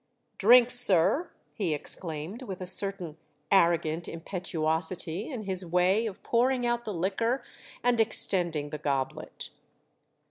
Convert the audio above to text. " Drink, sir," he exclaimed, with a certain arrogant impetuosity in his way of pouring out the liquor and extending the goblet.